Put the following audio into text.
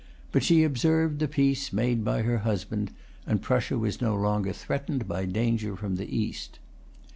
But she observed the peace made by her husband; and Prussia was no longer threatened by danger from the East.